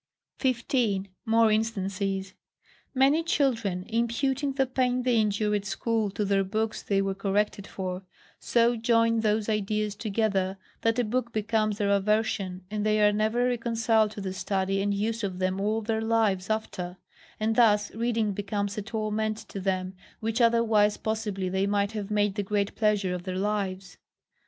15. More instances. Many children, imputing the pain they endured at school to their books they were corrected for, so join those ideas together, that a book becomes their aversion, and they are never reconciled to the study and use of them all their lives after; and thus reading becomes a torment to them, which otherwise possibly they might have made the great pleasure of their lives.